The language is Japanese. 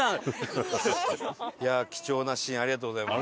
いやあ貴重なシーンありがとうございます。